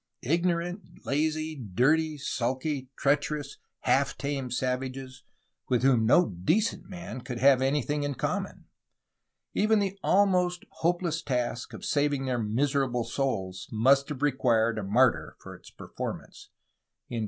— ignorant, lazy, dirty, sulky, treacherous, half tamed savages, with whom no decent man could have anything in common. Even the almost hopeless task of saving their miserable souls must have required a martyr for its performance."